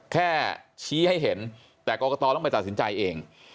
แค่ชี้ให้เห็นแต่กรกตต้องไปตัดสินใจเอง